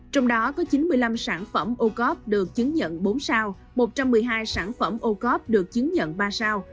trong đó có chín mươi năm sản phẩm ô cớp được chứng nhận bốn sao một trăm một mươi hai sản phẩm ô cớp được chứng nhận ba sao